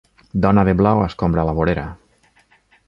Dona de blau escombra la vorera.